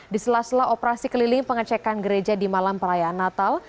di sela sela operasi keliling pengecekan gereja di malam perayaan natal